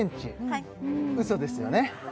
はいうそですよね？